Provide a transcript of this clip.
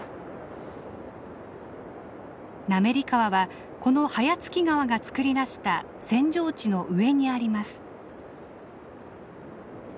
滑川はこの早月川が作り出した扇状地の上にあります。